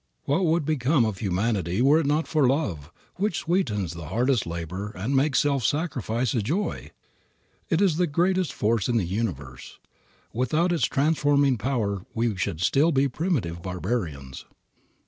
What would become of humanity were it not for love, which sweetens the hardest labor and makes self sacrifice a joy? It is the greatest force in the universe. Without its transforming power we should still be primitive barbarians.